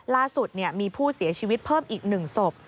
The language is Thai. ล่าสุดมีผู้เสียชีวิตเพิ่มอีก๑ศพ